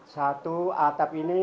satu atap ini